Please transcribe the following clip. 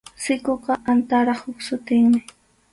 Sikuqa antarap huk sutinmi.